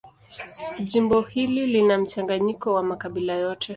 Jimbo hili lina mchanganyiko wa makabila yote.